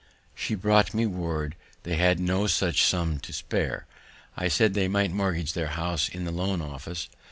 She brought me word they had no such sum to spare; I said they might mortgage their house in the loan office.